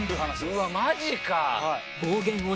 「うわマジか！」